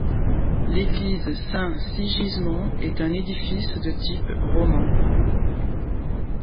L'église Saint Sigismond est un édifice de type roman.